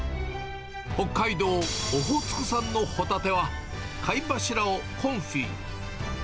北海道オホーツク海産のホタテは、貝柱をコンフィに。